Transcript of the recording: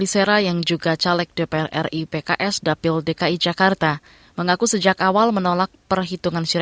pertama kali kita berkahwin